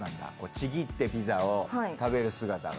ちぎってピザを食べる姿が。